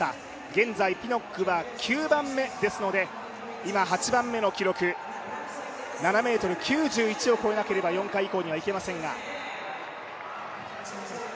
現在ピノックは９番目ですので今８番目の記録、７ｍ９１を超えなければ４回以降にはいけませんが。